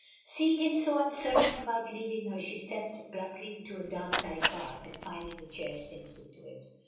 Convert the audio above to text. Seeing him so uncertain about leaving her, she steps abruptly into a dark side path, and finding a chair sinks into it.